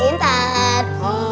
tanteng tanteng tanteng tanteng tanteng